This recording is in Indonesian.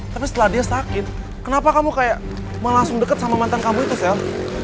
tapi setelah dia sakit kenapa kamu kayak mau langsung dekat sama mantan kamu itu sel